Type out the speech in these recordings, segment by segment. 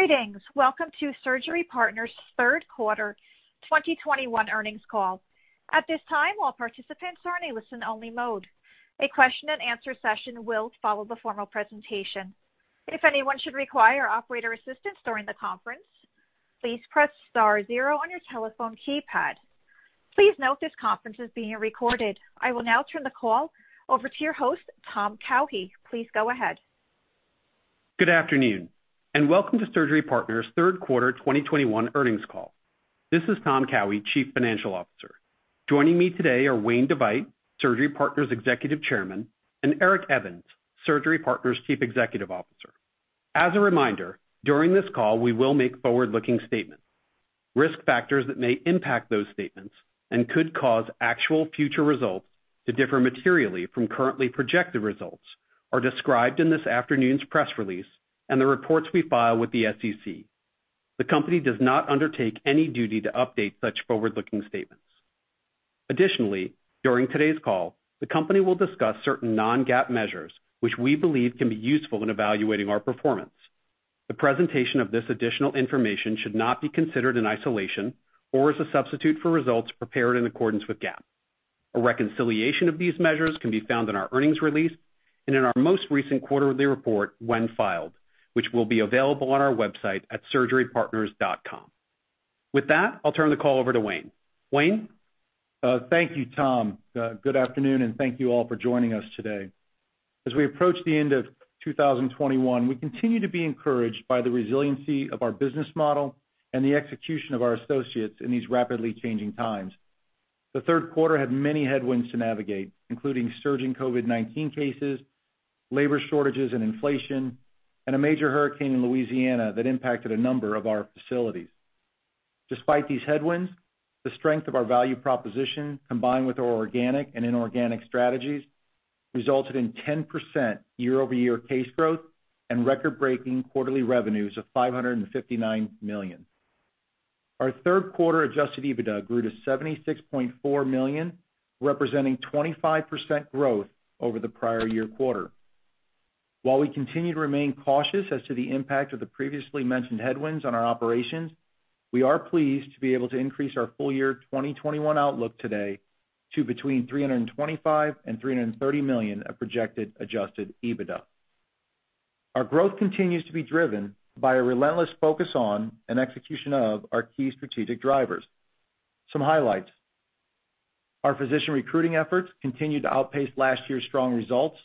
Greetings. Welcome to Surgery Partners' Third Quarter 2021 Earnings Call. At this time, all participants are in a listen-only mode. A question and answer session will follow the formal presentation. If anyone should require operator assistance during the conference, please press star zero on your telephone keypad. Please note this conference is being recorded. I will now turn the call over to your host, Tom Cowhey. Please go ahead. Good afternoon, and welcome to Surgery Partners' Third Quarter 2021 Earnings Call. This is Tom Cowhey, Chief Financial Officer. Joining me today are Wayne DeVeydt, Surgery Partners' Executive Chairman, and Eric Evans, Surgery Partners' Chief Executive Officer. As a reminder, during this call we will make forward-looking statements. Risk factors that may impact those statements and could cause actual future results to differ materially from currently projected results are described in this afternoon's press release and the reports we file with the SEC. The company does not undertake any duty to update such forward-looking statements. Additionally, during today's call, the company will discuss certain non-GAAP measures which we believe can be useful in evaluating our performance. The presentation of this additional information should not be considered in isolation or as a substitute for results prepared in accordance with GAAP. A reconciliation of these measures can be found in our earnings release and in our most recent quarterly report when filed, which will be available on our website at surgerypartners.com. With that, I'll turn the call over to Wayne. Wayne? Thank you, Tom. Good afternoon, and thank you all for joining us today. As we approach the end of 2021, we continue to be encouraged by the resiliency of our business model and the execution of our associates in these rapidly changing times. The third quarter had many headwinds to navigate, including surging COVID-19 cases, labor shortages and inflation, and a major hurricane in Louisiana that impacted a number of our facilities. Despite these headwinds, the strength of our value proposition, combined with our organic and inorganic strategies, resulted in 10% year-over-year case growth and record-breaking quarterly revenues of $559 million. Our third quarter adjusted EBITDA grew to $76.4 million, representing 25% growth over the prior year quarter. While we continue to remain cautious as to the impact of the previously mentioned headwinds on our operations, we are pleased to be able to increase our full year 2021 outlook today to between $325 million and $330 million of projected adjusted EBITDA. Our growth continues to be driven by a relentless focus on and execution of our key strategic drivers. Some highlights. Our physician recruiting efforts continued to outpace last year's strong results.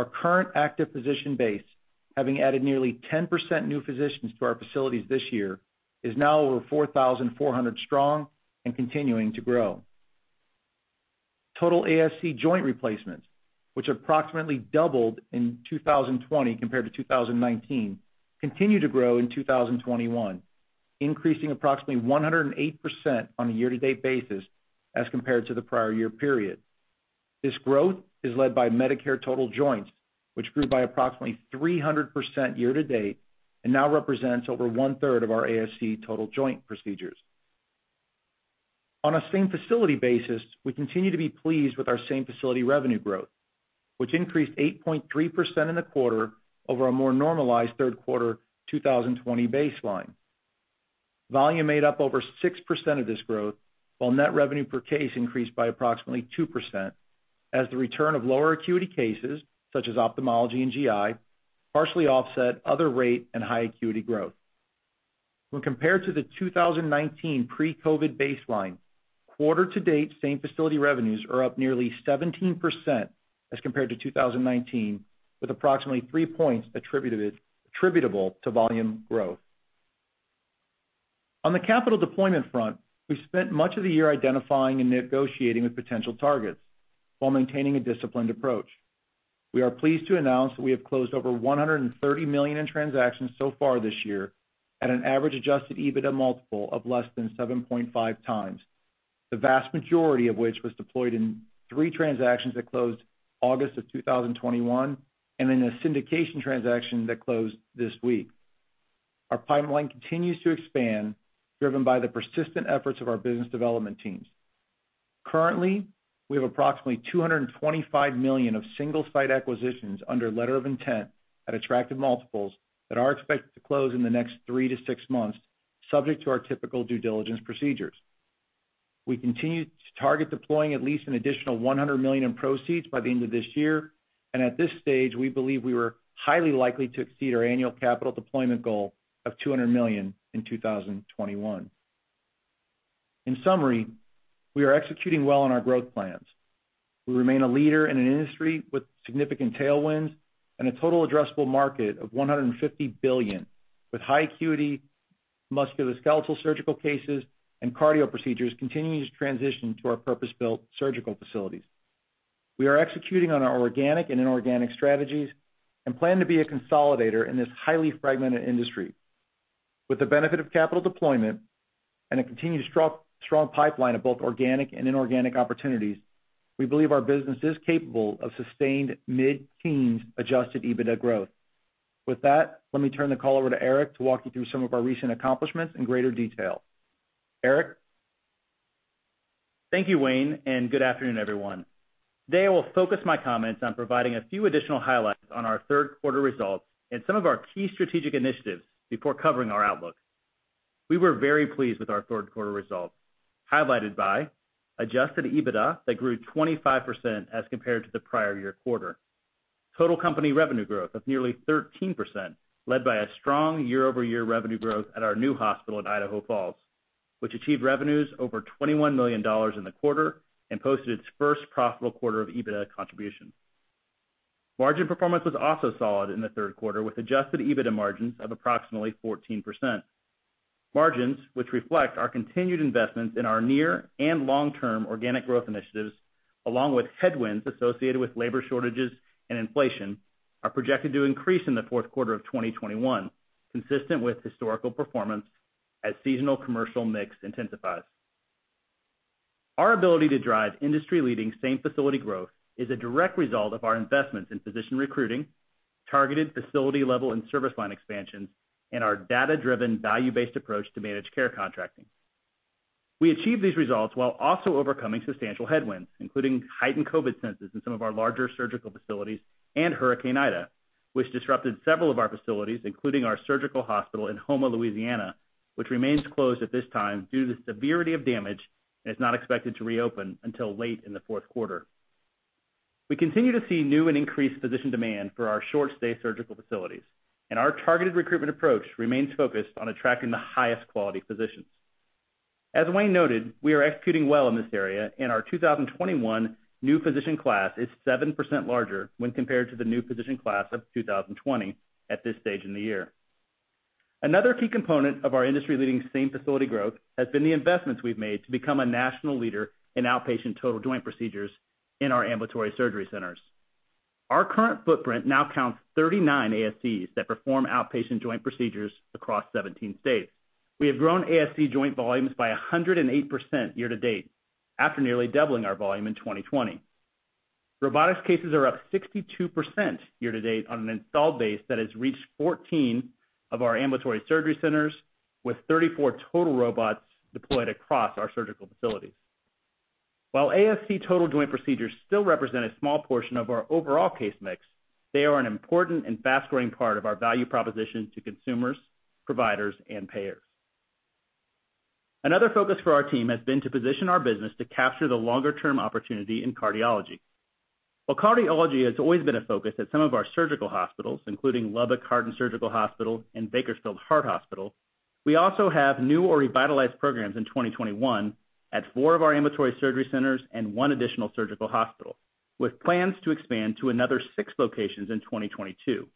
Our current active physician base, having added nearly 10% new physicians to our facilities this year, is now over 4,400 strong and continuing to grow. Total ASC joint replacements, which approximately doubled in 2020 compared to 2019, continue to grow in 2021, increasing approximately 108% on a year-to-date basis as compared to the prior year period. This growth is led by Medicare total joints, which grew by approximately 300% year to date and now represents over 1/3 of our ASC total joint procedures. On a same-facility basis, we continue to be pleased with our same-facility revenue growth, which increased 8.3% in the quarter over a more normalized third quarter 2020 baseline. Volume made up over 6% of this growth, while net revenue per case increased by approximately 2% as the return of lower acuity cases, such as ophthalmology and GI, partially offset other rate and high acuity growth. When compared to the 2019 pre-COVID baseline, quarter to date same-facility revenues are up nearly 17% as compared to 2019, with approximately 3 points attributable to volume growth. On the capital deployment front, we spent much of the year identifying and negotiating with potential targets while maintaining a disciplined approach. We are pleased to announce that we have closed over $130 million in transactions so far this year at an average adjusted EBITDA multiple of less than 7.5x, the vast majority of which was deployed in three transactions that closed August of 2021 and in a syndication transaction that closed this week. Our pipeline continues to expand, driven by the persistent efforts of our business development teams. Currently, we have approximately $225 million of single site acquisitions under letter of intent at attractive multiples that are expected to close in the next three to six months, subject to our typical due diligence procedures. We continue to target deploying at least an additional $100 million in proceeds by the end of this year. At this stage, we believe we were highly likely to exceed our annual capital deployment goal of $200 million in 2021. In summary, we are executing well on our growth plans. We remain a leader in an industry with significant tailwinds and a total addressable market of $150 billion, with high acuity musculoskeletal surgical cases and cardio procedures continuing to transition to our purpose-built surgical facilities. We are executing on our organic and inorganic strategies and plan to be a consolidator in this highly fragmented industry. With the benefit of capital deployment and a continued strong pipeline of both organic and inorganic opportunities, we believe our business is capable of sustained mid-teens adjusted EBITDA growth. With that, let me turn the call over to Eric to walk you through some of our recent accomplishments in greater detail. Eric? Thank you, Wayne, and good afternoon, everyone. Today, I will focus my comments on providing a few additional highlights on our third quarter results and some of our key strategic initiatives before covering our outlook. We were very pleased with our third quarter results, highlighted by adjusted EBITDA that grew 25% as compared to the prior year quarter. Total company revenue growth of nearly 13% led by a strong year-over-year revenue growth at our new hospital in Idaho Falls, which achieved revenues over $21 million in the quarter and posted its first profitable quarter of EBITDA contribution. Margin performance was also solid in the third quarter, with adjusted EBITDA margins of approximately 14%. Margins, which reflect our continued investments in our near and long-term organic growth initiatives, along with headwinds associated with labor shortages and inflation, are projected to increase in the fourth quarter of 2021, consistent with historical performance as seasonal commercial mix intensifies. Our ability to drive industry-leading same facility growth is a direct result of our investments in physician recruiting, targeted facility level and service line expansions, and our data-driven, value-based approach to managed care contracting. We achieved these results while also overcoming substantial headwinds, including heightened COVID census in some of our larger surgical facilities and Hurricane Ida, which disrupted several of our facilities, including our surgical hospital in Houma, Louisiana, which remains closed at this time due to the severity of damage, and is not expected to reopen until late in the fourth quarter. We continue to see new and increased physician demand for our short stay surgical facilities, and our targeted recruitment approach remains focused on attracting the highest quality physicians. As Wayne noted, we are executing well in this area, and our 2021 new physician class is 7% larger when compared to the new physician class of 2020 at this stage in the year. Another key component of our industry-leading same facility growth has been the investments we've made to become a national leader in outpatient total joint procedures in our ambulatory surgery centers. Our current footprint now counts 39 ASCs that perform outpatient joint procedures across 17 states. We have grown ASC joint volumes by 108% year to date, after nearly doubling our volume in 2020. Robotics cases are up 62% year to date on an installed base that has reached 14 of our ambulatory surgery centers, with 34 total robots deployed across our surgical facilities. While ASC total joint procedures still represent a small portion of our overall case mix, they are an important and fast-growing part of our value proposition to consumers, providers, and payers. Another focus for our team has been to position our business to capture the longer term opportunity in cardiology. While cardiology has always been a focus at some of our surgical hospitals, including Lubbock Heart & Surgical Hospital and Bakersfield Heart Hospital, we also have new or revitalized programs in 2021 at four of our ambulatory surgery centers and one additional surgical hospital, with plans to expand to another six locations in 2022.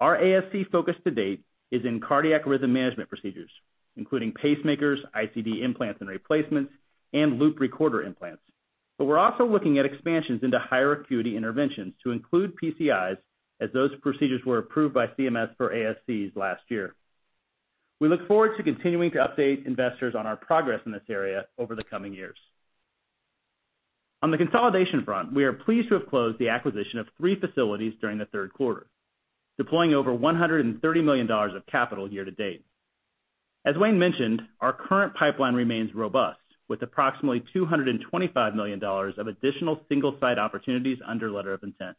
Our ASC focus to date is in Cardiac Rhythm Management procedures, including pacemakers, ICD implants and replacements, and loop recorder implants. We're also looking at expansions into higher acuity interventions to include PCIs as those procedures were approved by CMS for ASCs last year. We look forward to continuing to update investors on our progress in this area over the coming years. On the consolidation front, we are pleased to have closed the acquisition of three facilities during the third quarter, deploying over $130 million of capital year to date. As Wayne mentioned, our current pipeline remains robust, with approximately $225 million of additional single site opportunities under letter of intent.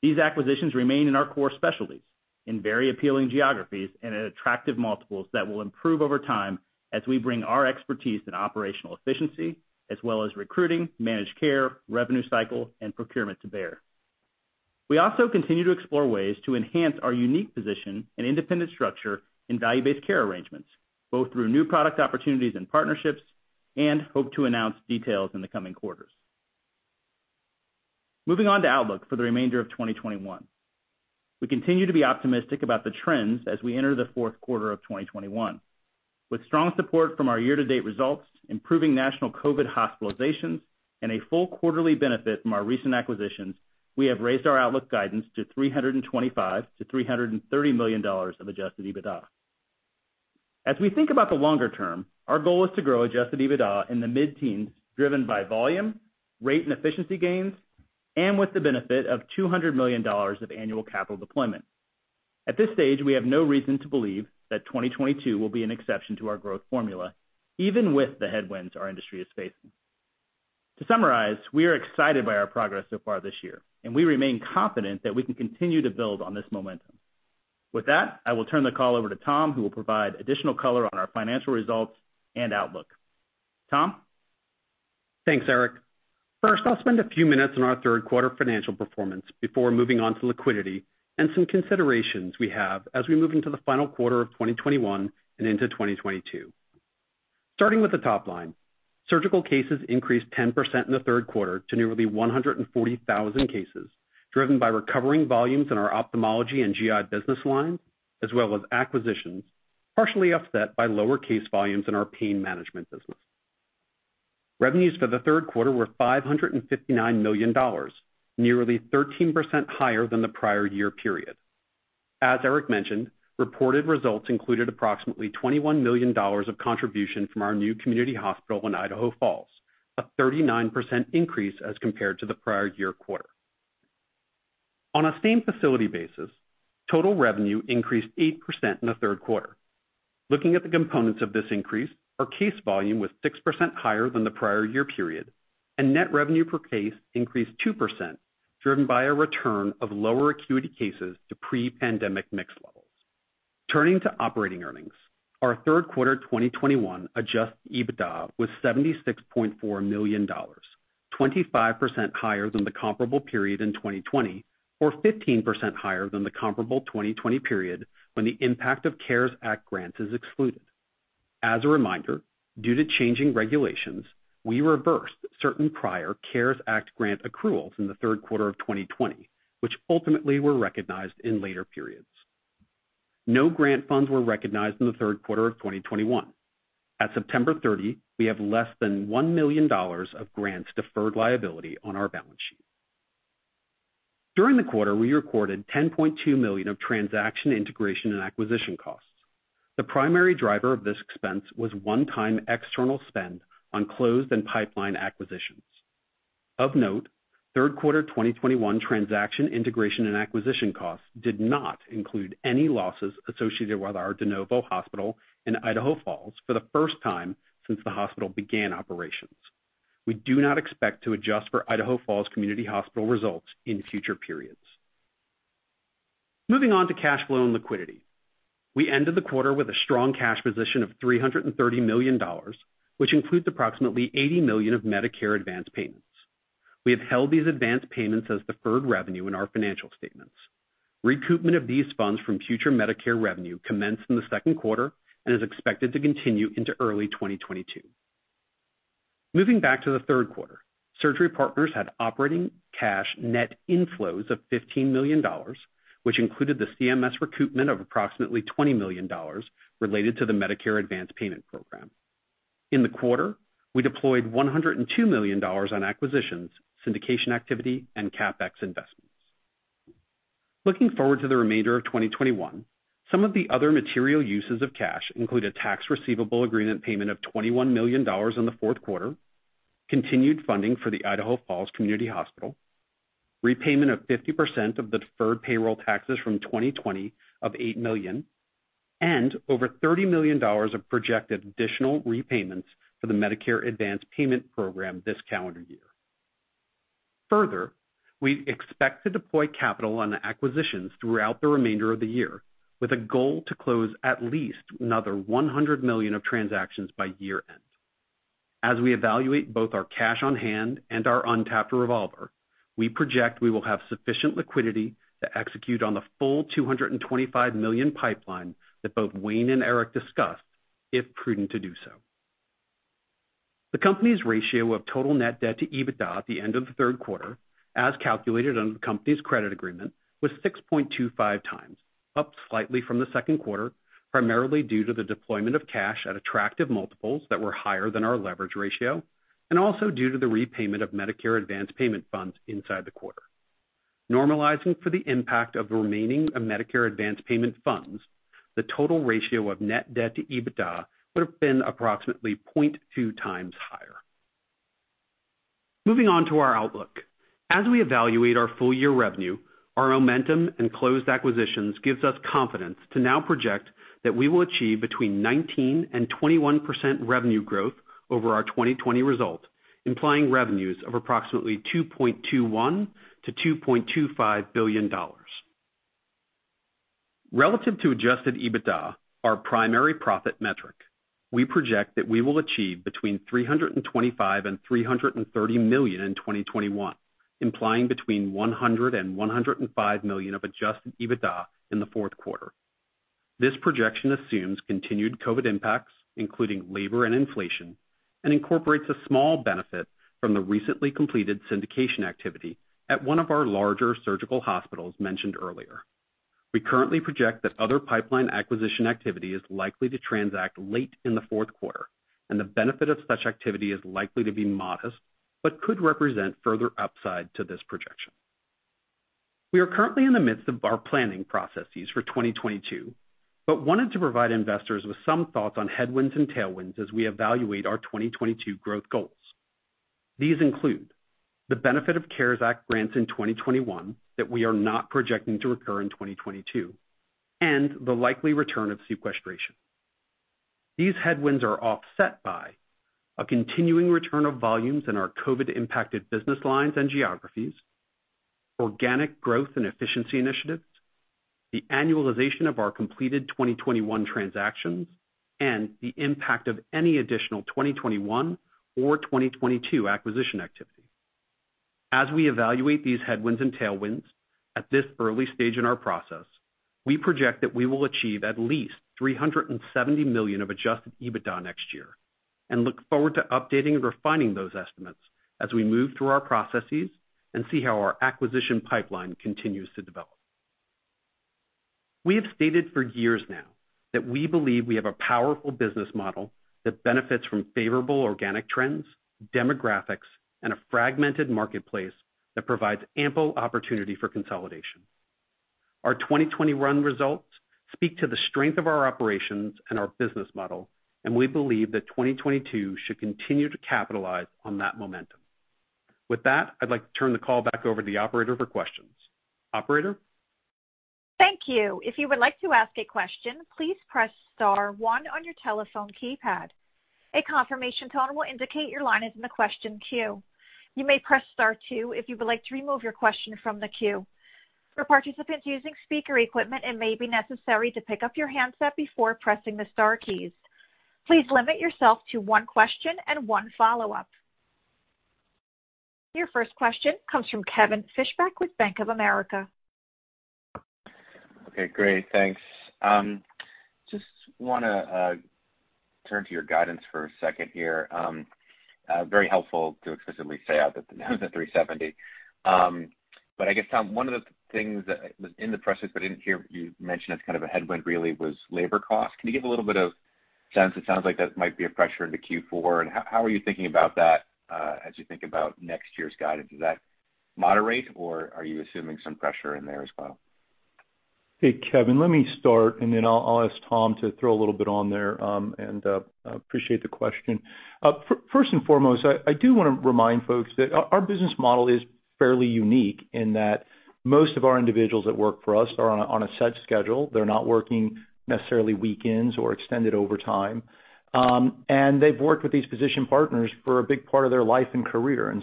These acquisitions remain in our core specialties in very appealing geographies and at attractive multiples that will improve over time as we bring our expertise in operational efficiency as well as recruiting, managed care, revenue cycle, and procurement to bear. We also continue to explore ways to enhance our unique position and independent structure in value-based care arrangements, both through new product opportunities and partnerships, and hope to announce details in the coming quarters. Moving on to outlook for the remainder of 2021. We continue to be optimistic about the trends as we enter the fourth quarter of 2021. With strong support from our year-to-date results, improving national COVID hospitalizations, and a full quarterly benefit from our recent acquisitions, we have raised our outlook guidance to $325 million-$330 million of adjusted EBITDA. As we think about the longer term, our goal is to grow adjusted EBITDA in the mid-teens, driven by volume, rate and efficiency gains, and with the benefit of $200 million of annual capital deployment. At this stage, we have no reason to believe that 2022 will be an exception to our growth formula, even with the headwinds our industry is facing. To summarize, we are excited by our progress so far this year, and we remain confident that we can continue to build on this momentum. With that, I will turn the call over to Tom, who will provide additional color on our financial results and outlook. Tom? Thanks, Eric. First, I'll spend a few minutes on our third quarter financial performance before moving on to liquidity and some considerations we have as we move into the final quarter of 2021 and into 2022. Starting with the top line, surgical cases increased 10% in the third quarter to nearly 140,000 cases, driven by recovering volumes in our ophthalmology and GI business line, as well as acquisitions, partially offset by lower case volumes in our pain management business. Revenues for the third quarter were $559 million, nearly 13% higher than the prior year period. As Eric mentioned, reported results included approximately $21 million of contribution from our new community hospital in Idaho Falls, a 39% increase as compared to the prior year quarter. On a same facility basis, total revenue increased 8% in the third quarter. Looking at the components of this increase, our case volume was 6% higher than the prior year period, and net revenue per case increased 2%, driven by a return of lower acuity cases to pre-pandemic mix levels. Turning to operating earnings. Our third quarter 2021 adjusted EBITDA was $76.4 million, 25% higher than the comparable period in 2020, or 15% higher than the comparable 2020 period when the impact of CARES Act grants is excluded. As a reminder, due to changing regulations, we reversed certain prior CARES Act grant accruals in the third quarter of 2020, which ultimately were recognized in later periods. No grant funds were recognized in the third quarter of 2021. At September 30, we have less than $1 million of grants deferred liability on our balance sheet. During the quarter, we recorded $10.2 million of transaction integration and acquisition costs. The primary driver of this expense was one-time external spend on closed and pipeline acquisitions. Of note, third quarter 2021 transaction integration and acquisition costs did not include any losses associated with our de novo hospital in Idaho Falls for the first time since the hospital began operations. We do not expect to adjust for Idaho Falls Community Hospital results in future periods. Moving on to cash flow and liquidity. We ended the quarter with a strong cash position of $330 million, which includes approximately $80 million of Medicare advanced payments. We have held these advanced payments as deferred revenue in our financial statements. Recoupment of these funds from future Medicare revenue commenced in the second quarter and is expected to continue into early 2022. Moving back to the third quarter, Surgery Partners had operating cash net inflows of $15 million, which included the CMS recoupment of approximately $20 million related to the Medicare Advanced Payment Program. In the quarter, we deployed $102 million on acquisitions, syndication activity and CapEx investments. Looking forward to the remainder of 2021, some of the other material uses of cash include a tax receivable agreement payment of $21 million in the fourth quarter, continued funding for the Idaho Falls Community Hospital, repayment of 50% of the deferred payroll taxes from 2020 of $8 million, and over $30 million of projected additional repayments for the Medicare Accelerated and Advance Payment Program this calendar year. Further, we expect to deploy capital on the acquisitions throughout the remainder of the year with a goal to close at least another $100 million of transactions by year-end. As we evaluate both our cash on hand and our untapped revolver, we project we will have sufficient liquidity to execute on the full $225 million pipeline that both Wayne and Eric discussed, if prudent to do so. The company's ratio of total net debt to EBITDA at the end of the third quarter, as calculated under the company's credit agreement, was 6.25 times, up slightly from the second quarter, primarily due to the deployment of cash at attractive multiples that were higher than our leverage ratio, and also due to the repayment of Medicare advanced payment funds inside the quarter. Normalizing for the impact of the remaining of Medicare advanced payment funds, the total ratio of net debt to EBITDA would have been approximately 0.2 times higher. Moving on to our outlook. As we evaluate our full year revenue, our momentum and closed acquisitions gives us confidence to now project that we will achieve between 19% and 21% revenue growth over our 2020 result, implying revenues of approximately $2.21 billion-$2.25 billion. Relative to adjusted EBITDA, our primary profit metric, we project that we will achieve between $325 million and $330 million in 2021, implying between $100 million and $105 million of adjusted EBITDA in the fourth quarter. This projection assumes continued COVID impacts, including labor and inflation, and incorporates a small benefit from the recently completed syndication activity at one of our larger surgical hospitals mentioned earlier. We currently project that other pipeline acquisition activity is likely to transact late in the fourth quarter, and the benefit of such activity is likely to be modest but could represent further upside to this projection. We are currently in the midst of our planning processes for 2022, but wanted to provide investors with some thoughts on headwinds and tailwinds as we evaluate our 2022 growth goals. These include the benefit of CARES Act grants in 2021 that we are not projecting to recur in 2022, and the likely return of sequestration. These headwinds are offset by a continuing return of volumes in our COVID impacted business lines and geographies, organic growth and efficiency initiatives, the annualization of our completed 2021 transactions, and the impact of any additional 2021 or 2022 acquisition activity. As we evaluate these headwinds and tailwinds at this early stage in our process, we project that we will achieve at least $370 million of adjusted EBITDA next year and look forward to updating and refining those estimates as we move through our processes and see how our acquisition pipeline continues to develop. We have stated for years now that we believe we have a powerful business model that benefits from favorable organic trends, demographics, and a fragmented marketplace that provides ample opportunity for consolidation. Our 2020 run results speak to the strength of our operations and our business model, and we believe that 2022 should continue to capitalize on that momentum. With that, I'd like to turn the call back over to the operator for questions. Operator? Thank you. If you would like to ask a question, please press star one on your telephone keypad. A confirmation tone will indicate your line is in the question queue. You may press star two if you would like to remove your question from the queue. For participants using speaker equipment, it may be necessary to pick up your handset before pressing the star keys. Please limit yourself to one question and one follow-up. Your first question comes from Kevin Fischbeck with Bank of America. Okay, great. Thanks. Just wanna turn to your guidance for a second here. Very helpful to explicitly say out that the number 370. But I guess, Tom, one of the things that was in the press release, but I didn't hear you mention as kind of a headwind really was labor costs. Can you give a little bit of sense? It sounds like that might be a pressure into Q4. How are you thinking about that, as you think about next year's guidance? Is that moderate, or are you assuming some pressure in there as well? Hey, Kevin, let me start, and then I'll ask Tom to throw a little bit on there. I appreciate the question. First and foremost, I do wanna remind folks that our business model is fairly unique in that most of our individuals that work for us are on a set schedule. They're not working necessarily weekends or extended overtime. They've worked with these physician partners for a big part of their life and career.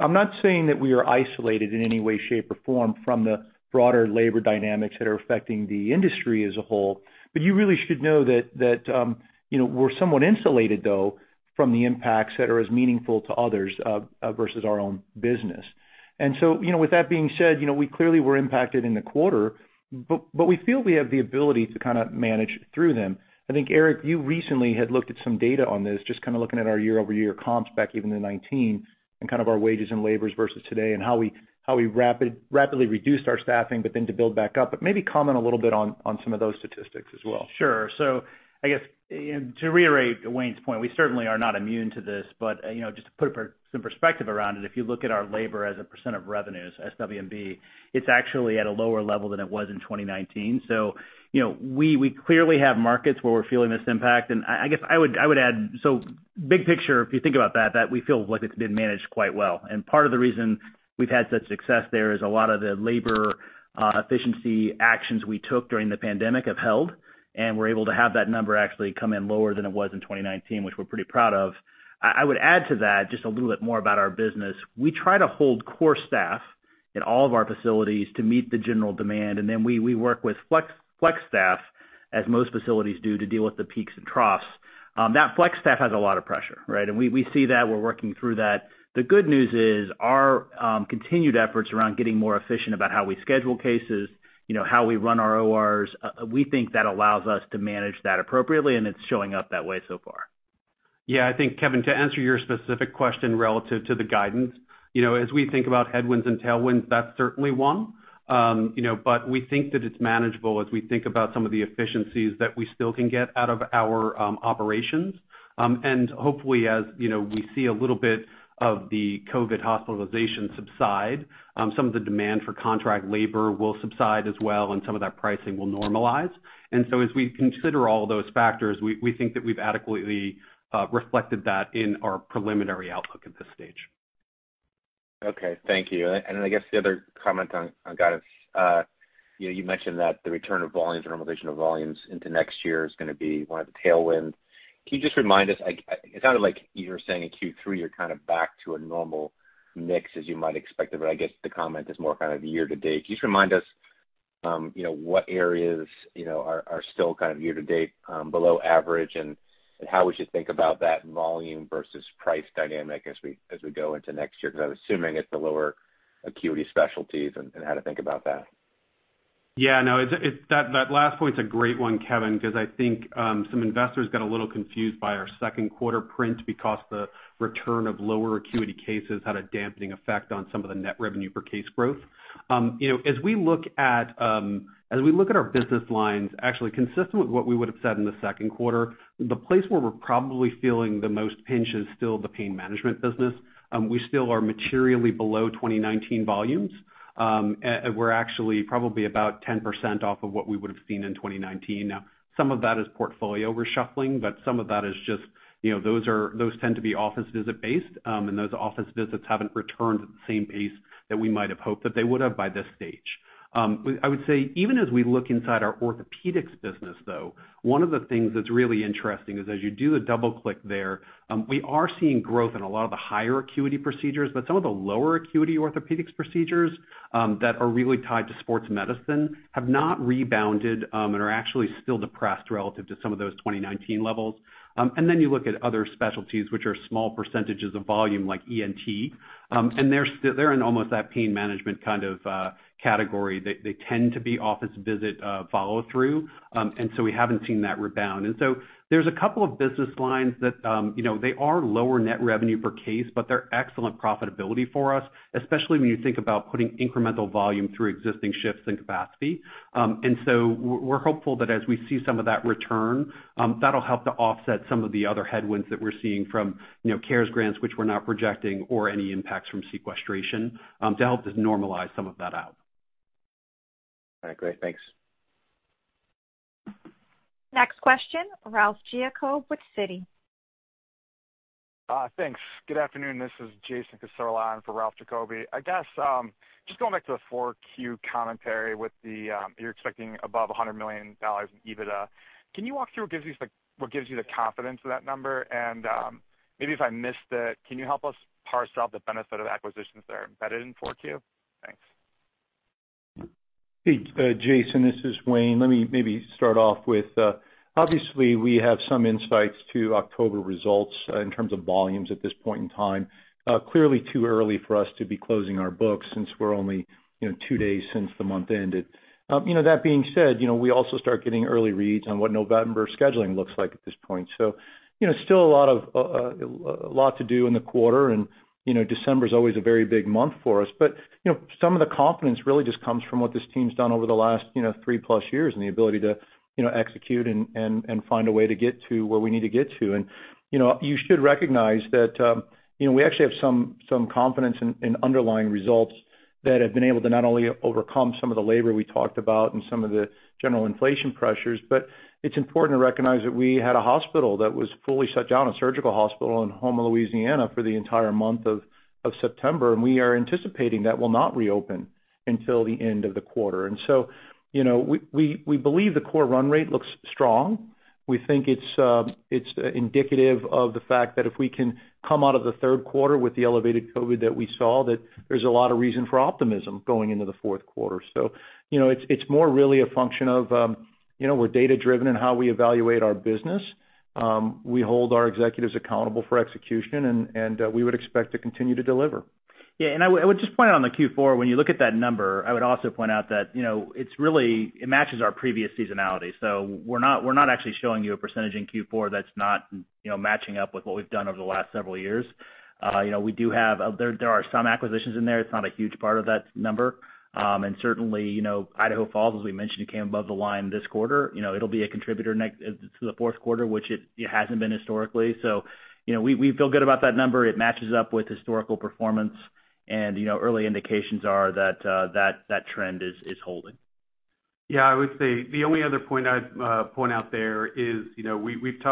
I'm not saying that we are isolated in any way, shape, or form from the broader labor dynamics that are affecting the industry as a whole, but you really should know that you know, we're somewhat insulated though from the impacts that are as meaningful to others versus our own business. You know, with that being said, you know, we clearly were impacted in the quarter, but we feel we have the ability to kinda manage through them. I think, Eric, you recently had looked at some data on this, just kinda looking at our year-over-year comps back even in 2019 and kind of our wages and labors versus today and how we rapidly reduced our staffing, but then to build back up. Maybe comment a little bit on some of those statistics as well. Sure. I guess, you know, to reiterate Wayne's point, we certainly are not immune to this. You know, just to put some perspective around it, if you look at our labor as a percent of revenues, SWB, it's actually at a lower level than it was in 2019. You know, we clearly have markets where we're feeling this impact. I guess I would add, big picture, if you think about that we feel like it's been managed quite well. Part of the reason we've had such success there is a lot of the labor efficiency actions we took during the pandemic have held, and we're able to have that number actually come in lower than it was in 2019, which we're pretty proud of. I would add to that just a little bit more about our business. We try to hold core staff in all of our facilities to meet the general demand, and then we work with flex staff, as most facilities do, to deal with the peaks and troughs. That flex staff has a lot of pressure, right? We see that. We're working through that. The good news is our continued efforts around getting more efficient about how we schedule cases, you know, how we run our ORs, we think that allows us to manage that appropriately, and it's showing up that way so far. Yeah, I think, Kevin, to answer your specific question relative to the guidance, you know, as we think about headwinds and tailwinds, that's certainly one. You know, but we think that it's manageable as we think about some of the efficiencies that we still can get out of our operations. Hopefully, as you know, we see a little bit of the COVID hospitalization subside, some of the demand for contract labor will subside as well, and some of that pricing will normalize. As we consider all those factors, we think that we've adequately reflected that in our preliminary outlook at this stage. Okay. Thank you. I guess the other comment on guidance, you know, you mentioned that the return of volumes, the normalization of volumes into next year is gonna be one of the tailwinds. Can you just remind us, it sounded like you were saying in Q3 you're kind of back to a normal mix as you might expect it, but I guess the comment is more kind of year to date. Can you just remind us, you know, what areas, you know, are still kind of year to date below average, and how we should think about that volume versus price dynamic as we go into next year? 'Cause I'm assuming it's the lower acuity specialties and how to think about that. Yeah, no, that last point's a great one, Kevin, 'cause I think some investors got a little confused by our second quarter print because the return of lower acuity cases had a dampening effect on some of the net revenue per case growth. You know, as we look at our business lines, actually consistent with what we would have said in the second quarter, the place where we're probably feeling the most pinch is still the pain management business. We still are materially below 2019 volumes, and we're actually probably about 10% off of what we would have seen in 2019. Now, some of that is portfolio reshuffling, but some of that is just, you know, those tend to be office visit based, and those office visits haven't returned at the same pace that we might have hoped that they would have by this stage. I would say even as we look inside our orthopedics business though, one of the things that's really interesting is as you do a double click there, we are seeing growth in a lot of the higher acuity procedures, but some of the lower acuity orthopedics procedures that are really tied to sports medicine have not rebounded, and are actually still depressed relative to some of those 2019 levels. Then you look at other specialties which are small percentages of volume like ENT, and they're still in almost that pain management kind of category. They tend to be office visit follow through, and we haven't seen that rebound. There's a couple of business lines that, you know, they are lower net revenue per case, but they're excellent profitability for us, especially when you think about putting incremental volume through existing shifts and capacity. We're hopeful that as we see some of that return, that'll help to offset some of the other headwinds that we're seeing from, you know, CARES grants, which we're not projecting or any impacts from sequestration, to help just normalize some of that out. All right, great. Thanks. Next question, Ralph Giacobbe with Citi. Thanks. Good afternoon, this is Jason Cassorla in for Ralph Giacobbe. I guess, just going back to the 4Q commentary with the, you're expecting above $100 million in EBITDA. Can you walk through what gives you the confidence of that number? Maybe if I missed it, can you help us parse out the benefit of the acquisitions that are embedded in 4Q? Thanks. Hey, Jason, this is Wayne. Let me maybe start off with obviously, we have some insights to October results in terms of volumes at this point in time. Clearly too early for us to be closing our books since we're only, you know, two days since the month ended. You know, that being said, you know, we also start getting early reads on what November scheduling looks like at this point. You know, still a lot of lot to do in the quarter. You know, December is always a very big month for us. You know, some of the confidence really just comes from what this team's done over the last, you know, three-plus years and the ability to, you know, execute and find a way to get to where we need to get to. You know, you should recognize that, you know, we actually have some confidence in underlying results that have been able to not only overcome some of the labor we talked about and some of the general inflation pressures, but it's important to recognize that we had a hospital that was fully shut down, a surgical hospital in Houma, Louisiana, for the entire month of September, and we are anticipating that will not reopen until the end of the quarter. You know, we believe the core run rate looks strong. We think it's indicative of the fact that if we can come out of the third quarter with the elevated COVID that we saw, that there's a lot of reason for optimism going into the fourth quarter. You know, it's more really a function of, you know, we're data-driven in how we evaluate our business. We hold our executives accountable for execution and we would expect to continue to deliver. I would just point out on the Q4, when you look at that number, I would also point out that, you know, it really matches our previous seasonality. We're not actually showing you a percentage in Q4 that's not, you know, matching up with what we've done over the last several years. You know, we do have there are some acquisitions in there. It's not a huge part of that number. And certainly, you know, Idaho Falls, as we mentioned, came above the line this quarter. You know, it'll be a contributor to the fourth quarter, which it hasn't been historically. You know, we feel good about that number. It matches up with historical performance. And, you know, early indications are that that trend is holding. Yeah, I would say the only other point I'd point out there is, you know,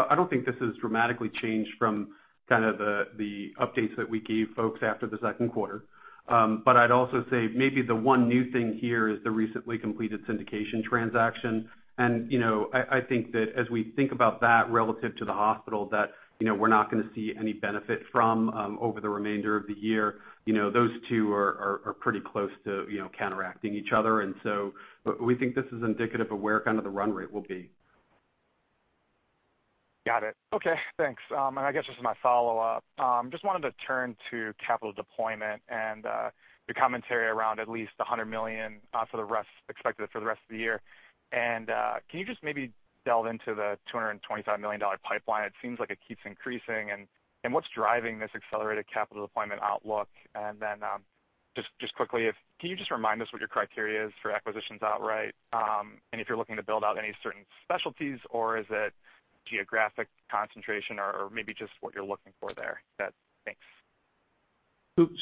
I don't think this has dramatically changed from kind of the updates that we gave folks after the second quarter. I'd also say maybe the one new thing here is the recently completed syndication transaction. You know, I think that as we think about that relative to the hospital that, you know, we're not gonna see any benefit from over the remainder of the year, you know, those two are pretty close to, you know, counteracting each other. We think this is indicative of where kind of the run rate will be. Got it. Okay, thanks. I guess this is my follow-up. Just wanted to turn to capital deployment and your commentary around at least $100 million expected for the rest of the year. Can you just maybe delve into the $225 million pipeline? It seems like it keeps increasing. What's driving this accelerated capital deployment outlook? Then, just quickly, can you just remind us what your criteria is for acquisitions outright, and if you're looking to build out any certain specialties, or is it geographic concentration or maybe just what you're looking for there? Thanks.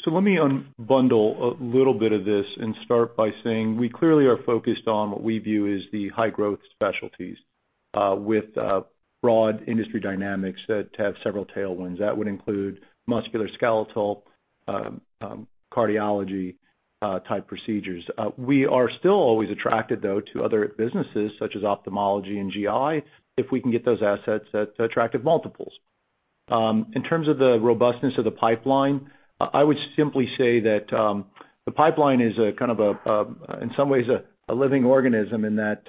Let me unbundle a little bit of this and start by saying we clearly are focused on what we view as the high growth specialties, with broad industry dynamics that have several tailwinds. That would include musculoskeletal, cardiology type procedures. We are still always attracted, though, to other businesses such as ophthalmology and GI if we can get those assets at attractive multiples. In terms of the robustness of the pipeline, I would simply say that the pipeline is in some ways a living organism in that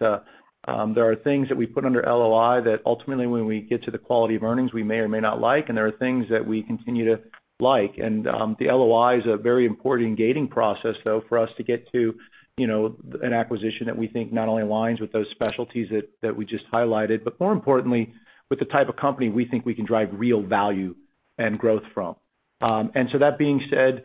there are things that we put under LOI that ultimately when we get to the quality of earnings, we may or may not like, and there are things that we continue to like. The LOI is a very important gating process, though, for us to get to, you know, an acquisition that we think not only aligns with those specialties that we just highlighted, but more importantly, with the type of company we think we can drive real value and growth from. That being said,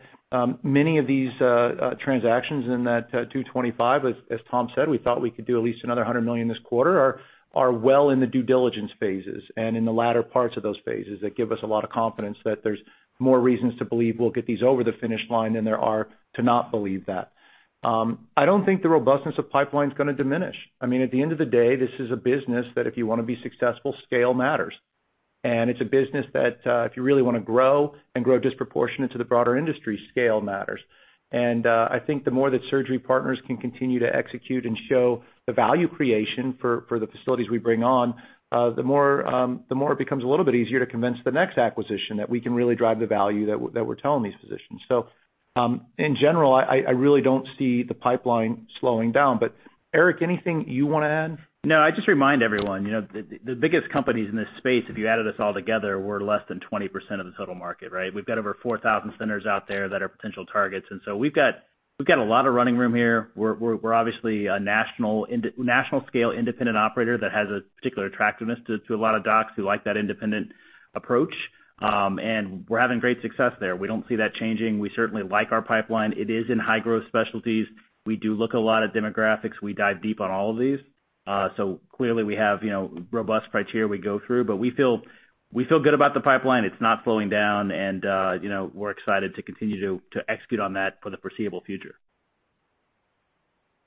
many of these transactions in that $225, as Tom said, we thought we could do at least another $100 million this quarter, are well in the due diligence phases and in the latter parts of those phases that give us a lot of confidence that there's more reasons to believe we'll get these over the finish line than there are to not believe that. I don't think the robustness of pipeline is gonna diminish. I mean, at the end of the day, this is a business that if you wanna be successful, scale matters. It's a business that, if you really wanna grow and grow disproportionate to the broader industry, scale matters. I think the more that Surgery Partners can continue to execute and show the value creation for the facilities we bring on, the more it becomes a little bit easier to convince the next acquisition that we can really drive the value that we're telling these physicians. In general, I really don't see the pipeline slowing down. Eric, anything you wanna add? No, I'd just remind everyone, you know, the biggest companies in this space, if you added us all together, we're less than 20% of the total market, right? We've got over 4,000 centers out there that are potential targets. We've got a lot of running room here. We're obviously a national scale independent operator that has a particular attractiveness to a lot of docs who like that independent approach. We're having great success there. We don't see that changing. We certainly like our pipeline. It is in high growth specialties. We do look a lot at demographics. We dive deep on all of these. Clearly we have, you know, robust criteria we go through, but we feel good about the pipeline. It's not slowing down. You know, we're excited to continue to execute on that for the foreseeable future.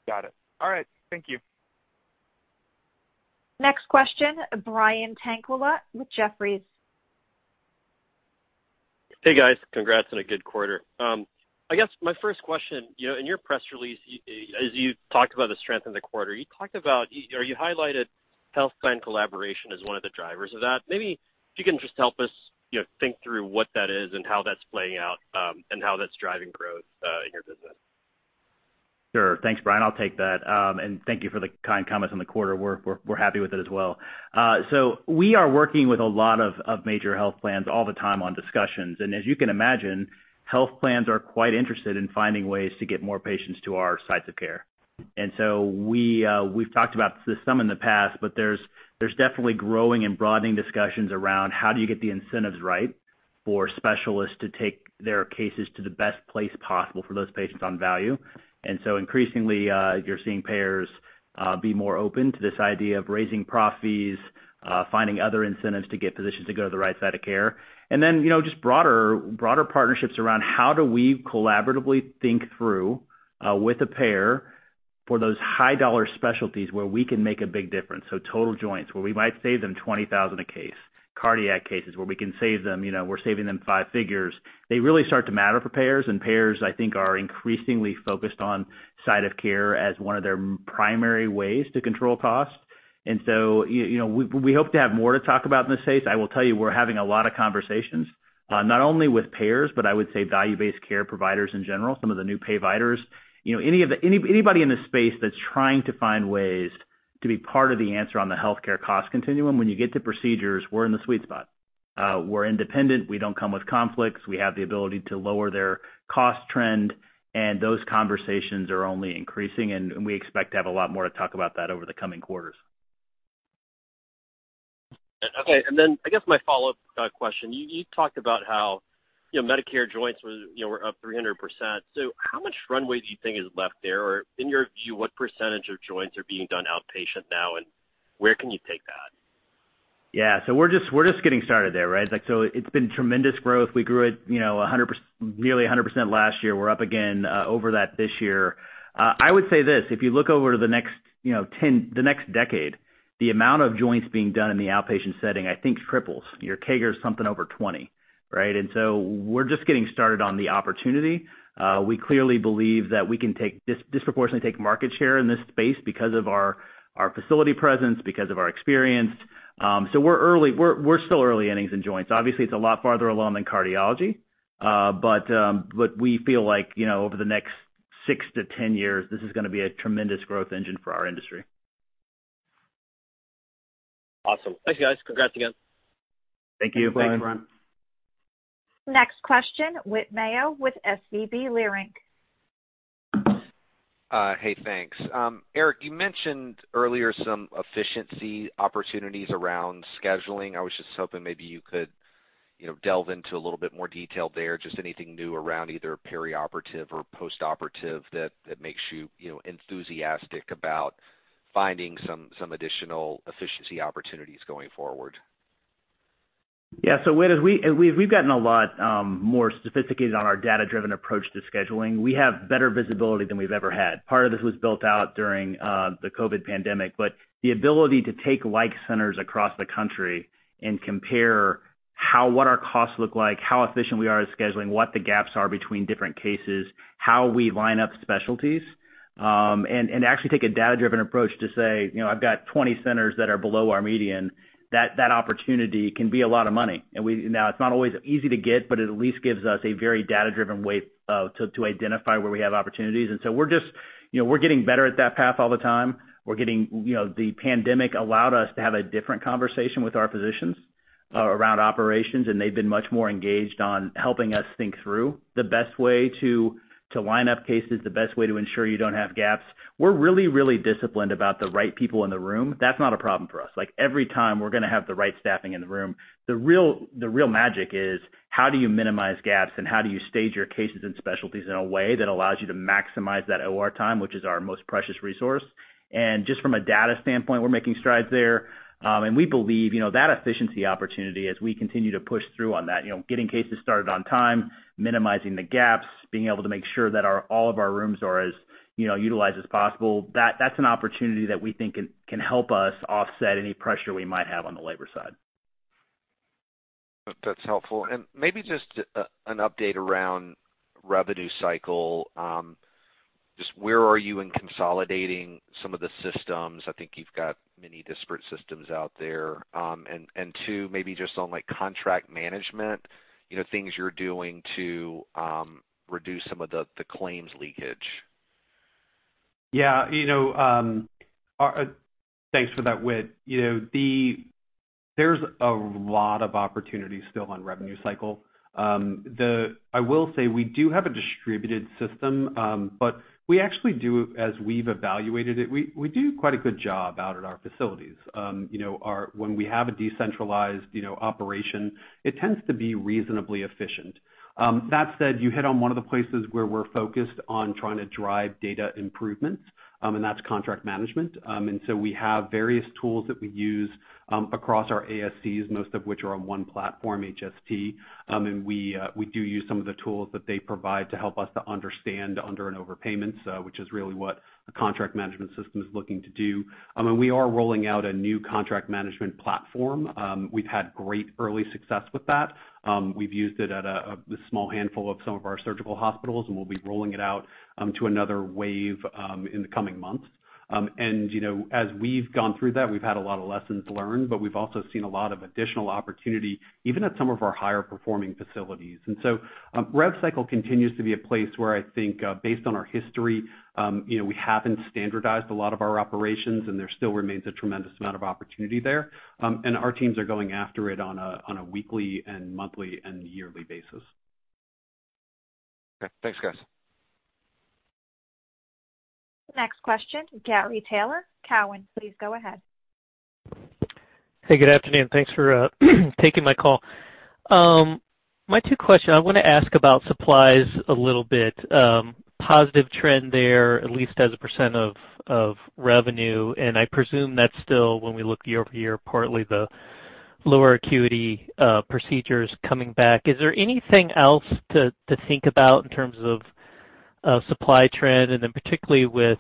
Got it. All right, thank you. Next question, Brian Tanquilut with Jefferies. Hey, guys. Congrats on a good quarter. I guess my first question, you know, in your press release, as you talked about the strength in the quarter, you highlighted health plan collaboration as one of the drivers of that. Maybe if you can just help us, you know, think through what that is and how that's playing out, and how that's driving growth in your business. Sure. Thanks, Brian. I'll take that. Thank you for the kind comments on the quarter. We're happy with it as well. We are working with a lot of major health plans all the time on discussions. As you can imagine, health plans are quite interested in finding ways to get more patients to our sites of care. We've talked about this some in the past, but there's definitely growing and broadening discussions around how do you get the incentives right for specialists to take their cases to the best place possible for those patients on value. Increasingly, you're seeing payers be more open to this idea of raising prof fees, finding other incentives to get physicians to go to the right side of care. Then, you know, just broader partnerships around how do we collaboratively think through with a payer for those high dollar specialties where we can make a big difference. Total joints, where we might save them $20,000 a case. Cardiac cases, where we can save them, you know, we're saving them five figures. They really start to matter for payers. Payers, I think, are increasingly focused on site of care as one of their primary ways to control cost. You know, we hope to have more to talk about in this space. I will tell you, we're having a lot of conversations, not only with payers, but I would say value-based care providers in general, some of the new payviders. You know, any, anybody in this space that's trying to find ways to be part of the answer on the healthcare cost continuum, when you get to procedures, we're in the sweet spot. We're independent. We don't come with conflicts. We have the ability to lower their cost trend, and those conversations are only increasing, and we expect to have a lot more to talk about that over the coming quarters. Okay. I guess my follow-up question. You talked about how, you know, Medicare joints were up 300%. How much runway do you think is left there? In your view, what percentage of joints are being done outpatient now, and where can you take that? Yeah, we're just getting started there, right? Like, it's been tremendous growth. We grew at, you know, 100%—nearly 100% last year. We're up again over that this year. I would say this, if you look over to the next, you know, 10, the next decade, the amount of joints being done in the outpatient setting, I think triples. Your CAGR is something over 20, right? We're just getting started on the opportunity. We clearly believe that we can take disproportionately take market share in this space because of our facility presence, because of our experience. We're early. We're still early innings in joints. Obviously, it's a lot farther along than cardiology. We feel like, you know, over the next six to 10 years, this is gonna be a tremendous growth engine for our industry. Awesome. Thanks, guys. Congrats again. Thank you. Thanks, Brian. Next question, Whit Mayo with SVB Leerink. Hey, thanks. Eric, you mentioned earlier some efficiency opportunities around scheduling. I was just hoping maybe you could, you know, delve into a little bit more detail there. Just anything new around either perioperative or postoperative that makes you know, enthusiastic about finding some additional efficiency opportunities going forward. Yeah. Whit, we've gotten a lot more sophisticated on our data-driven approach to scheduling. We have better visibility than we've ever had. Part of this was built out during the COVID pandemic. But the ability to take like centers across the country and compare how what our costs look like, how efficient we are at scheduling, what the gaps are between different cases, how we line up specialties, and actually take a data-driven approach to say, you know, I've got 20 centers that are below our median, that opportunity can be a lot of money. Now, it's not always easy to get, but it at least gives us a very data-driven way to identify where we have opportunities. We're just, you know, we're getting better at that path all the time. We're getting, you know, the pandemic allowed us to have a different conversation with our physicians around operations, and they've been much more engaged on helping us think through the best way to line up cases, the best way to ensure you don't have gaps. We're really disciplined about the right people in the room. That's not a problem for us. Like, every time we're gonna have the right staffing in the room. The real magic is how do you minimize gaps and how do you stage your cases and specialties in a way that allows you to maximize that OR time, which is our most precious resource. Just from a data standpoint, we're making strides there. We believe, you know, that efficiency opportunity as we continue to push through on that, you know, getting cases started on time, minimizing the gaps, being able to make sure that all of our rooms are as, you know, utilized as possible. That's an opportunity that we think can help us offset any pressure we might have on the labor side. That's helpful. Maybe just an update around revenue cycle. Just where are you in consolidating some of the systems? I think you've got many disparate systems out there. And two, maybe just on like contract management, you know, things you're doing to reduce some of the claims leakage. Yeah. You know, thanks for that, Whit. You know, there's a lot of opportunities still on revenue cycle. I will say we do have a distributed system, but we actually do, as we've evaluated it, we do quite a good job out at our facilities. You know, when we have a decentralized operation, it tends to be reasonably efficient. That said, you hit on one of the places where we're focused on trying to drive data improvement. That's contract management. We have various tools that we use across our ASCs, most of which are on one platform, HST. We do use some of the tools that they provide to help us understand under and overpayments, which is really what the contract management system is looking to do. I mean, we are rolling out a new contract management platform. We've had great early success with that. We've used it at a small handful of some of our surgical hospitals, and we'll be rolling it out to another wave in the coming months. You know, as we've gone through that, we've had a lot of lessons learned, but we've also seen a lot of additional opportunity, even at some of our higher performing facilities. Rev cycle continues to be a place where I think, based on our history, you know, we haven't standardized a lot of our operations, and there still remains a tremendous amount of opportunity there. Our teams are going after it on a weekly and monthly and yearly basis. Okay. Thanks, guys. Next question, Gary Taylor, Cowen. Please go ahead. Hey, good afternoon. Thanks for taking my call. My two questions, I wanna ask about supplies a little bit. Positive trend there, at least as a percent of revenue, and I presume that's still when we look year-over-year, partly the lower acuity procedures coming back. Is there anything else to think about in terms of supply trend? Particularly with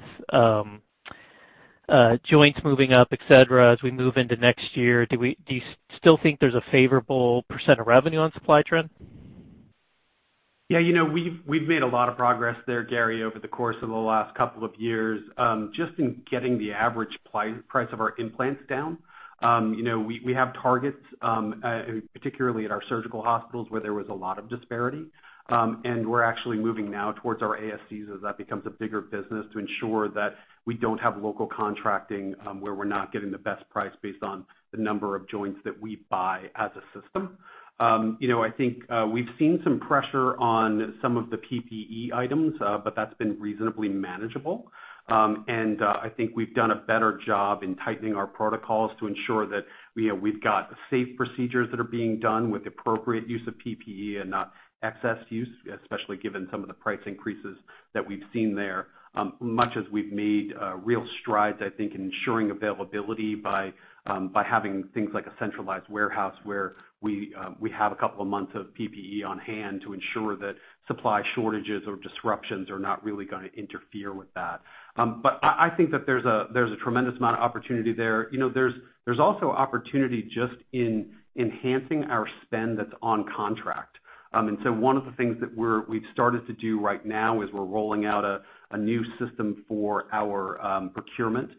joints moving up, et cetera, as we move into next year, do you still think there's a favorable percent of revenue on supply trend? Yeah. You know, we've made a lot of progress there, Gary, over the course of the last couple of years, just in getting the average price of our implants down. You know, we have targets, particularly at our surgical hospitals where there was a lot of disparity. We're actually moving now towards our ASCs as that becomes a bigger business to ensure that we don't have local contracting, where we're not getting the best price based on the number of joints that we buy as a system. You know, I think we've seen some pressure on some of the PPE items, but that's been reasonably manageable. I think we've done a better job in tightening our protocols to ensure that, you know, we've got safe procedures that are being done with appropriate use of PPE and not excess use, especially given some of the price increases that we've seen there. Much as we've made real strides, I think, in ensuring availability by having things like a centralized warehouse where we have a couple of months of PPE on hand to ensure that supply shortages or disruptions are not really gonna interfere with that. I think that there's a tremendous amount of opportunity there. You know, there's also opportunity just in enhancing our spend that's on contract. One of the things that we've started to do right now is we're rolling out a new system for our procurement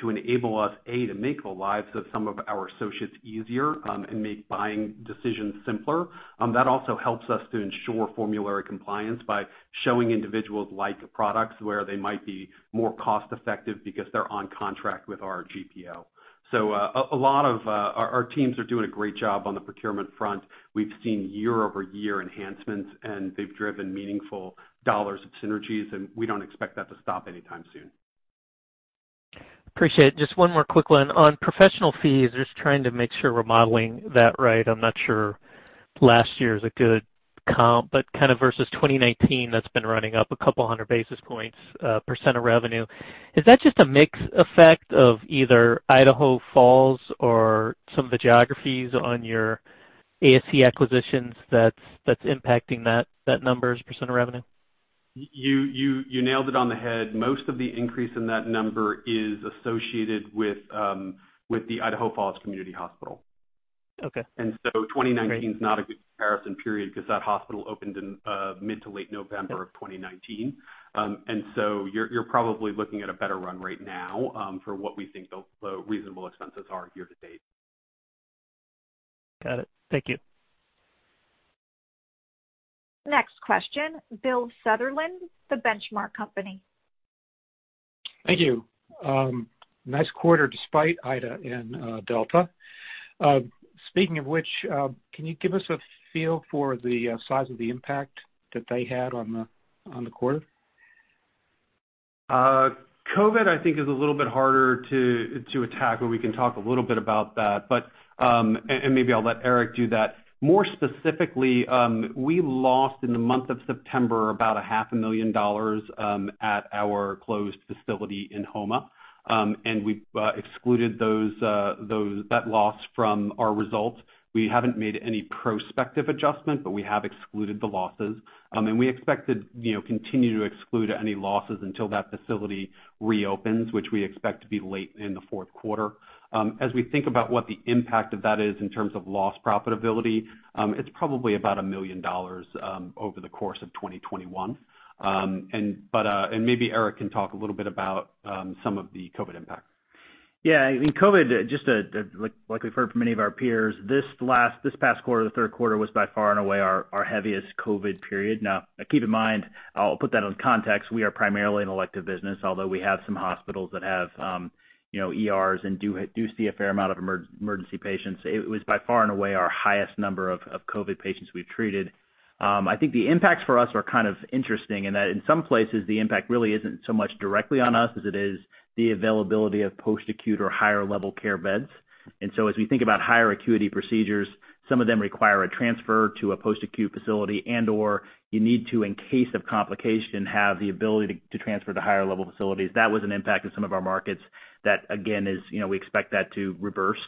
to enable us, A, to make the lives of some of our associates easier and make buying decisions simpler. That also helps us to ensure formulary compliance by showing individuals like products where they might be more cost effective because they're on contract with our GPO. A lot of our teams are doing a great job on the procurement front. We've seen year-over-year enhancements, and they've driven meaningful dollars of synergies, and we don't expect that to stop anytime soon. Appreciate it. Just one more quick one. On professional fees, just trying to make sure we're modeling that right. I'm not sure last year is a good comp, but kinda versus 2019, that's been running up a couple hundred basis points percent of revenue. Is that just a mix effect of either Idaho Falls or some of the geographies on your ASC acquisitions that's impacting that number as a percent of revenue? You nailed it on the head. Most of the increase in that number is associated with the Idaho Falls Community Hospital. Okay. 2019 is not a good comparison period 'cause that hospital opened in mid to late November of 2019. You're probably looking at a better run rate now for what we think the reasonable expenses are year to date. Got it. Thank you. Next question, Bill Sutherland, The Benchmark Company. Thank you. Nice quarter despite Ida and Delta. Speaking of which, can you give us a feel for the size of the impact that they had on the quarter? COVID, I think is a little bit harder to attack, but we can talk a little bit about that. Maybe I'll let Eric do that. More specifically, we lost in the month of September about half a million dollars at our closed facility in Houma. We've excluded that loss from our results. We haven't made any prospective adjustment, but we have excluded the losses. We expect to, you know, continue to exclude any losses until that facility reopens, which we expect to be late in the fourth quarter. As we think about what the impact of that is in terms of lost profitability, it's probably about $1 million over the course of 2021. Maybe Eric can talk a little bit about some of the COVID impact. Yeah. I mean, COVID, just like we've heard from many of our peers, this past quarter, the third quarter, was by far and away our heaviest COVID period. Now, keep in mind, I'll put that in context. We are primarily an elective business, although we have some hospitals that have, you know, ERs and do see a fair amount of emergency patients. It was by far and away our highest number of COVID patients we've treated. I think the impacts for us are kind of interesting in that in some places, the impact really isn't so much directly on us as it is the availability of post-acute or higher level care beds. As we think about higher acuity procedures, some of them require a transfer to a post-acute facility and/or you need to, in case of complication, have the ability to transfer to higher level facilities. That was an impact in some of our markets that again is, you know, we expect that to reverse.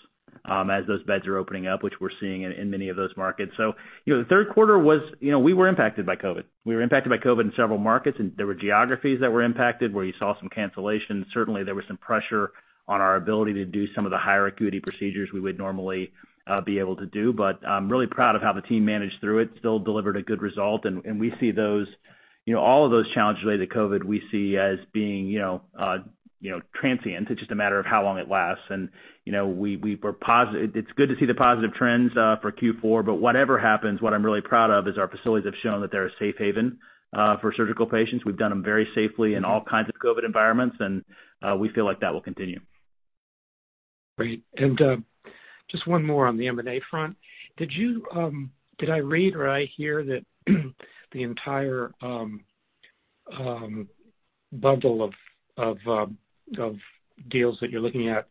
As those beds are opening up, which we're seeing in many of those markets. You know, the third quarter was, you know, we were impacted by COVID. We were impacted by COVID in several markets, and there were geographies that were impacted where you saw some cancellations. Certainly, there was some pressure on our ability to do some of the higher acuity procedures we would normally be able to do. I'm really proud of how the team managed through it, still delivered a good result. We see those, you know, all of those challenges related to COVID, we see as being, you know, transient. It's just a matter of how long it lasts. You know, we were positive. It's good to see the positive trends for Q4. Whatever happens, what I'm really proud of is our facilities have shown that they're a safe haven for surgical patients. We've done them very safely in all kinds of COVID environments, and we feel like that will continue. Great. Just one more on the M&A front. Did I read or hear that the entire bundle of deals that you're looking at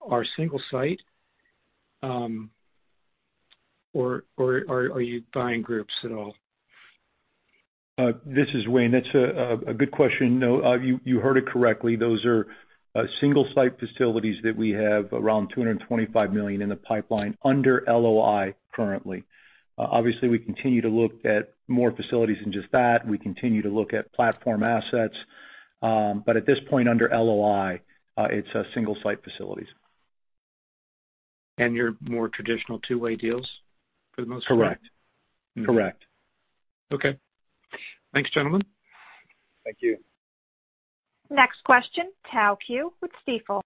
are single site, or are you buying groups at all? This is Wayne. That's a good question. No, you heard it correctly. Those are single site facilities that we have around $225 million in the pipeline under LOI currently. Obviously, we continue to look at more facilities than just that. We continue to look at platform assets. At this point under LOI, it's single site facilities. Your more traditional two-way deals for the most part? Correct. Correct. Okay. Thanks, gentlemen. Thank you. Next question, Tao Qiu with Stifel.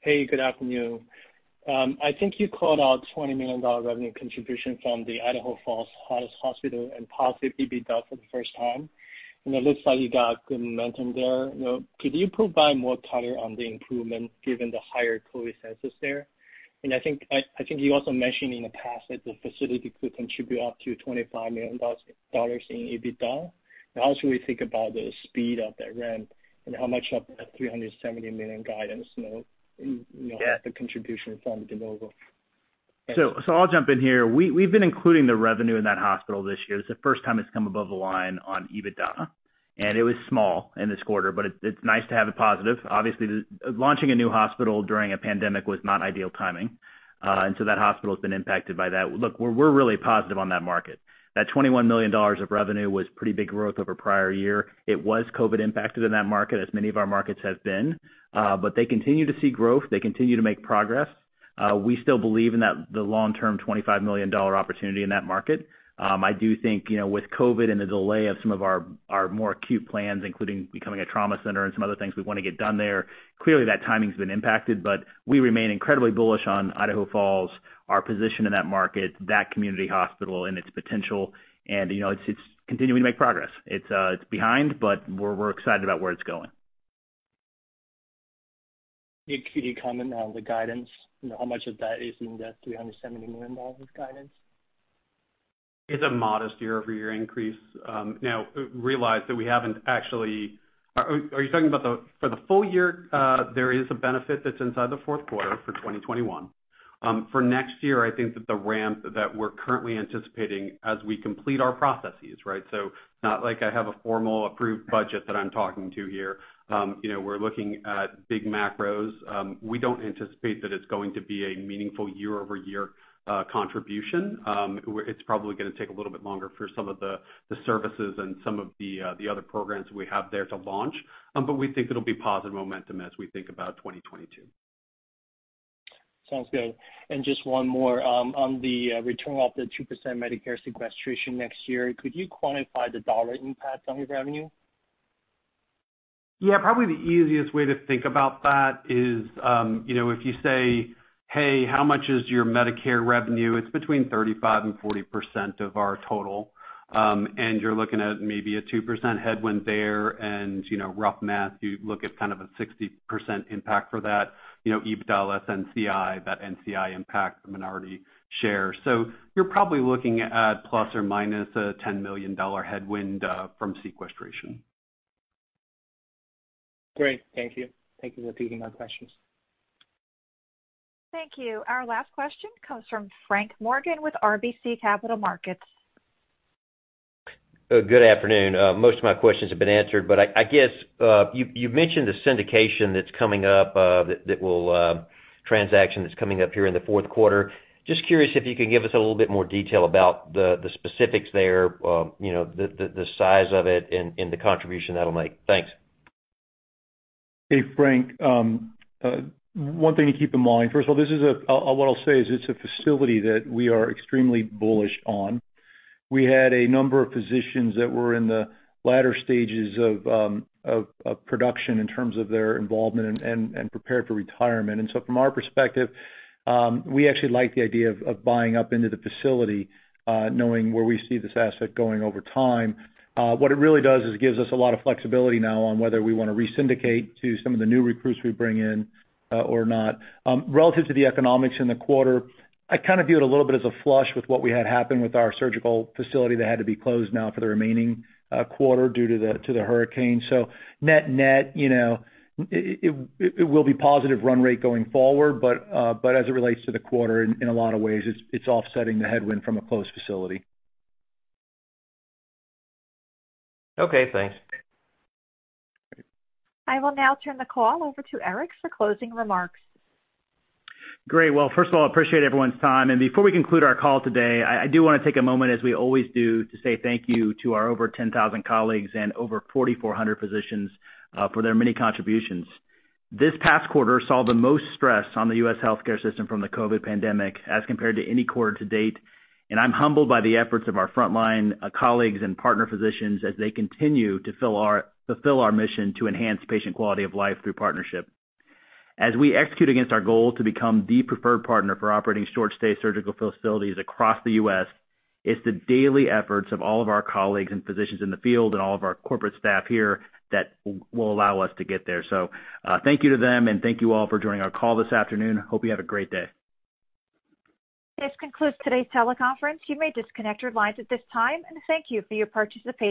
Hey, good afternoon. I think you called out $20 million revenue contribution from the Idaho Falls Hospital and positive EBITDA for the first time. It looks like you got good momentum there. You know, could you provide more color on the improvement given the higher COVID census there? I think you also mentioned in the past that the facility could contribute up to $25 million in EBITDA. How should we think about the speed of that ramp and how much of that $370 million guidance, you know, the contribution from de novo? I'll jump in here. We've been including the revenue in that hospital this year. It's the first time it's come above the line on EBITDA. It was small in this quarter, but it's nice to have a positive. Obviously, launching a new hospital during a pandemic was not ideal timing. That hospital's been impacted by that. Look, we're really positive on that market. That $21 million of revenue was pretty big growth over prior year. It was COVID impacted in that market, as many of our markets have been. They continue to see growth. They continue to make progress. We still believe in the long-term $25 million opportunity in that market. I do think, you know, with COVID and the delay of some of our more acute plans, including becoming a trauma center and some other things we wanna get done there, clearly that timing's been impacted. We remain incredibly bullish on Idaho Falls, our position in that market, that community hospital and its potential. You know, it's continuing to make progress. It's behind, but we're excited about where it's going. Could you comment on the guidance and how much of that is in that $370 million guidance? It's a modest year-over-year increase. Are you talking about the full year? There is a benefit that's inside the fourth quarter for 2021. For next year, I think that the ramp that we're currently anticipating as we complete our processes, right? Not like I have a formal approved budget that I'm talking to here. You know, we're looking at big macros. We don't anticipate that it's going to be a meaningful year-over-year contribution. It's probably gonna take a little bit longer for some of the services and some of the other programs we have there to launch. We think it'll be positive momentum as we think about 2022. Sounds good. Just one more. On the return of the 2% Medicare sequestration next year, could you quantify the dollar impact on your revenue? Yeah, probably the easiest way to think about that is, you know, if you say, "Hey, how much is your Medicare revenue?" It's between 35% and 40% of our total. You're looking at maybe a 2% headwind there. You know, rough math, you look at kind of a 60% impact for that, you know, EBITDA, sans NCI, that NCI impact, the minority share. You're probably looking at ±$10 million headwind from sequestration. Great. Thank you. Thank you for taking my questions. Thank you. Our last question comes from Frank Morgan with RBC Capital Markets. Good afternoon. Most of my questions have been answered, but I guess you mentioned the transaction that's coming up here in the fourth quarter. Just curious if you can give us a little bit more detail about the specifics there, you know, the size of it and the contribution that'll make. Thanks. Hey, Frank. One thing to keep in mind, first of all, this is what I'll say is it's a facility that we are extremely bullish on. We had a number of physicians that were in the latter stages of production in terms of their involvement and prepared for retirement. From our perspective, we actually like the idea of buying up into the facility, knowing where we see this asset going over time. What it really does is it gives us a lot of flexibility now on whether we wanna re-syndicate to some of the new recruits we bring in, or not. Relative to the economics in the quarter, I kind of view it a little bit as a flush with what we had happen with our surgical facility that had to be closed now for the remaining quarter due to the hurricane. Net-net, you know, it will be positive run rate going forward, but as it relates to the quarter, in a lot of ways, it's offsetting the headwind from a closed facility. Okay, thanks. Great. I will now turn the call over to Eric for closing remarks. Great. Well, first of all, I appreciate everyone's time. Before we conclude our call today, I do wanna take a moment as we always do, to say thank you to our over 10,000 colleagues and over 4,400 physicians for their many contributions. This past quarter saw the most stress on the US healthcare system from the COVID-19 pandemic as compared to any quarter to date. I'm humbled by the efforts of our frontline colleagues and partner physicians as they continue to fulfill our mission to enhance patient quality of life through partnership. As we execute against our goal to become the preferred partner for operating short stay surgical facilities across the US, it's the daily efforts of all of our colleagues and physicians in the field and all of our corporate staff here that will allow us to get there. Thank you to them, and thank you all for joining our call this afternoon. I hope you have a great day. This concludes today's teleconference. You may disconnect your lines at this time, and thank you for your participation.